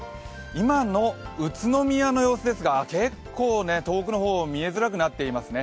今の宇都宮の様子ですが、結構遠くの方、見えづらくなっていますね。